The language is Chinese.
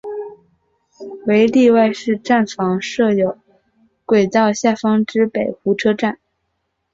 唯一例外是站房设于轨道下方之北湖车站。